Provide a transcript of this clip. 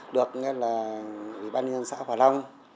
được bà nhân dân xã hòa long